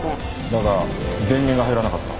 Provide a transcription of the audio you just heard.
だが電源が入らなかった。